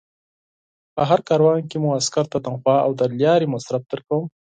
په هر کاروان کې مو عسکرو ته تنخوا او د لارې مصارف درکوم.